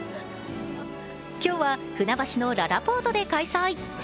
今日は船橋のららぽーとで開催。